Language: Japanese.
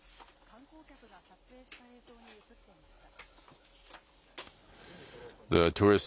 観光客が撮影した映像に写っていました。